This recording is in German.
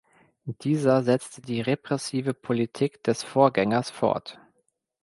Dieser setzte die repressive Politik des Vorgängers fort.